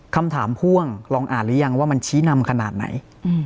พ่วงลองอ่านหรือยังว่ามันชี้นำขนาดไหน